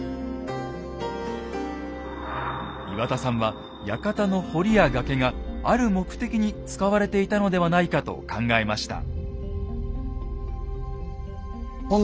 岩田さんは館の堀や崖がある目的に使われていたのではないかと考えました。